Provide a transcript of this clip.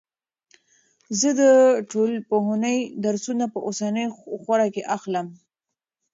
زه د ټولنپوهنې درسونه په اوسنۍ خوره کې اخلم.